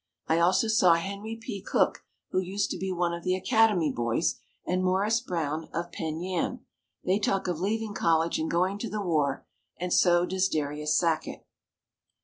I also saw Henry P. Cook, who used to be one of the Academy boys, and Morris Brown, of Penn Yan. They talk of leaving college and going to the war and so does Darius Sackett.